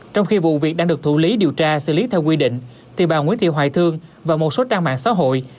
trong khi vụ việc đang được thủ lý điều tra xử lý theo quy định thì bà nguyễn thị hoài thương và một số trang mạng xã hội